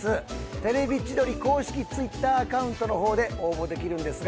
『テレビ千鳥』公式Ｔｗｉｔｔｅｒアカウントの方で応募できるんですが